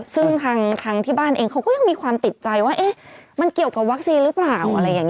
ซึ่งทางที่บ้านเขายังมีความติดใจว่ามันเกี่ยวกับวัคซีนหรือเปล่า